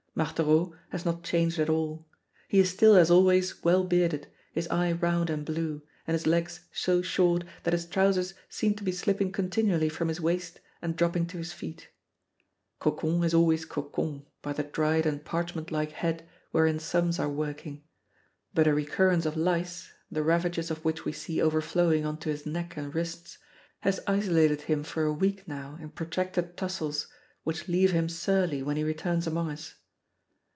Marthereau has not changed at all. He is still as always well bearded, his eye round and blue, and his legs so short that his trousers seem to be slipping continually from his waist and dropping to his feet. Cocon is always Cocon by the dried and parchment like head wherein sums are working; but a recurrence of lice, the ravages of which we see overflowing on to his neck and wrists, has isolated him for a week now in protracted tussles which leave him surly when he returns among us.